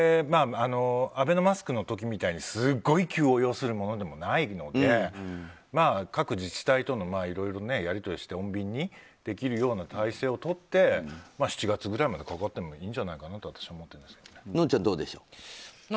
アベノマスクの時みたいにすごい急を要するものでもないので各自治体とやり取りをして穏便にできるような体制をとって７月くらいまでかかってもいいんじゃないかなとのんちゃん、どうでしょう。